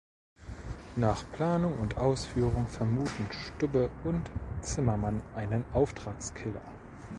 Nach Planung und Ausführung vermuten Stubbe und Zimmermann einen Auftragskiller.